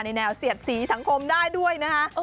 แนวเสียดสีสังคมได้ด้วยนะคะ